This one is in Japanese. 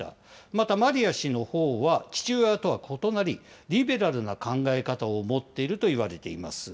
またマリヤ氏のほうは、父親とは異なり、リベラルな考え方を持っているといわれています。